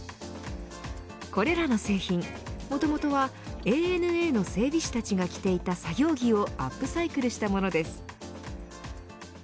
これらの製品もともとはＡＮＡの整備士たちが着ていた作業着をアップサイクルしたものです。